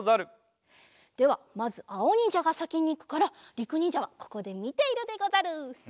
ではまずあおにんじゃがさきにいくからりくにんじゃはここでみているでござる！